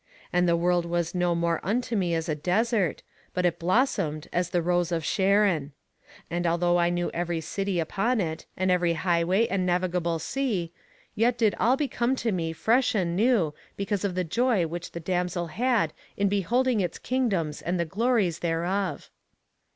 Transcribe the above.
And the world was no more unto me as a desert, but it blossomed as the rose of Sharon. And although I knew every city upon it, and every highway and navigable sea, yet did all become to me fresh and new because of the joy which the damsel had in beholding its kingdoms and the glories thereof.